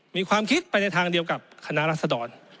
มีความคิดไปในทางเดียวกับคณะรัศดร